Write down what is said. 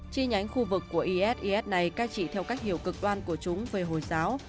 chi nhánh khu vực của is is này cài trị theo cách hiểu cực đoan của chúng về hồi giáo